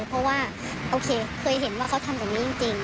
เพราะว่าโอเคเคยเห็นว่าเขาทำแบบนี้จริง